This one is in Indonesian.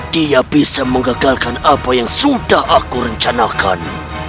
dia bisa menggagalkan apa yang sudah aku rencanakan